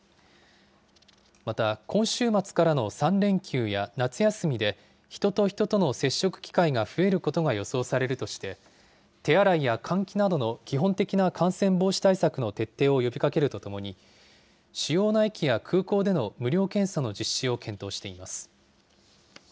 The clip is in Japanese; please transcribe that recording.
また、今週末からの３連休や夏休みで、人と人との接触機会が増えることが予想されるとして、手洗いや換気などの基本的な感染防止対策の徹底を呼びかけるとともに、主要な駅や空港での無料検査の実施を検討しています。